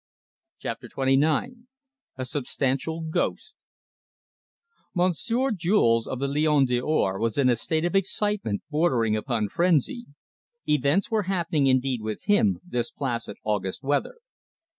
CHAPTER XXIX A SUBSTANTIAL GHOST Monsieur Jules, of the Lion d'Or, was in a state of excitement bordering upon frenzy. Events were happening indeed with him, this placid August weather.